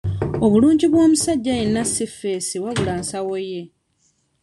Obulungi bw'omusajja yenna si ffeesi wabula nsawo ye.